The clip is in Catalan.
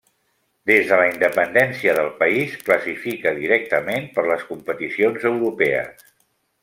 Des de la independència del país classifica directament per les competicions europees.